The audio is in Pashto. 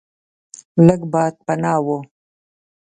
لږ باد پناه و.